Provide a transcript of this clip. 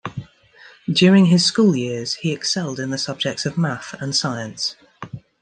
During his school years, he excelled in the subjects of math and science.